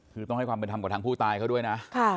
คือต้องให้ความเป็นธรรมกับทางผู้ตายเขาด้วยนะ